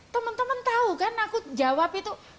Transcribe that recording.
teman teman tahu kan aku jawab itu